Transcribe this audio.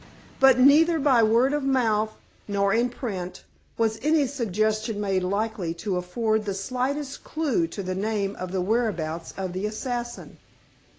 But neither by word of mouth, nor in print, was any suggestion made likely to afford the slightest clue to the name or the whereabouts of the assassin.